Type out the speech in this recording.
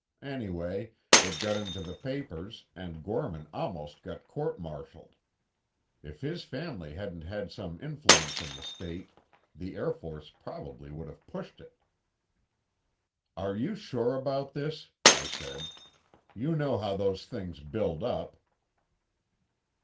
Anyway, it got into the papers and Gorman almost got court martialed. If his family hadn't had some influence in the state, the Air Force probably would have pushed it." "Are you sure about this?" I said. "You know how those things build up."